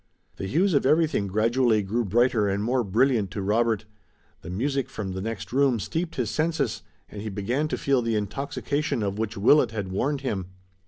The hues of everything gradually grew brighter and more brilliant to Robert. The music from the next room steeped his senses, and he began to feel the intoxication of which Willet had warned him.